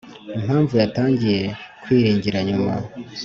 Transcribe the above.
'impamvu yatangiye kwiringira nyuma,